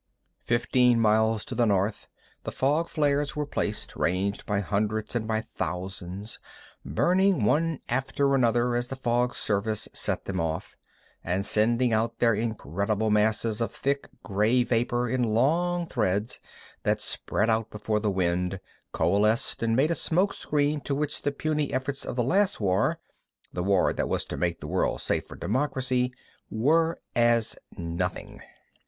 Fifteen miles to the north the fog flares were placed, ranged by hundreds and by thousands, burning one after another as the fog service set them off, and sending out their incredible masses of thick gray vapor in long threads that spread out before the wind, coalesced, and made a smoke screen to which the puny efforts of the last war—the war that was to make the world safe for democracy—were as nothing.